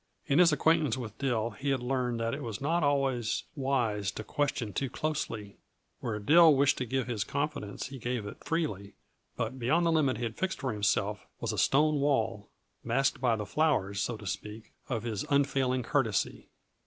In his acquaintance with Dill he had learned that it was not always wise to question too closely; where Dill wished to give his confidence he gave it freely, but beyond the limit he had fixed for himself was a stone wall, masked by the flowers, so to speak, of his unfailing courtesy.